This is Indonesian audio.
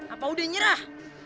apa udah nyerah